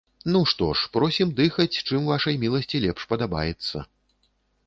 Ну, што ж, просім дыхаць, чым вашай міласці лепш падабаецца.